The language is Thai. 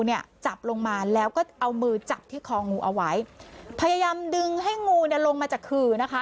เนี่ยจับลงมาแล้วก็เอามือจับที่คองูเอาไว้พยายามดึงให้งูเนี่ยลงมาจากขื่อนะคะ